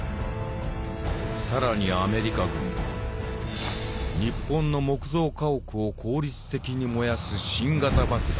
更にアメリカ軍は日本の木造家屋を効率的に燃やす新型爆弾